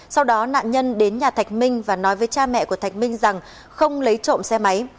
sau đó nạn nhân đến nhà thạch minh và nói với cha mẹ của thạch minh rằng không lấy trộm xe máy